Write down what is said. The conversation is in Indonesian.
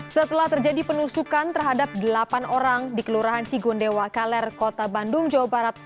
setelah terjadi penusukan terhadap delapan orang di kelurahan cigondewa kaler kota bandung jawa barat